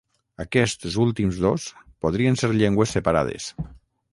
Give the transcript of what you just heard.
Aquests últims dos podrien ser llengües separades.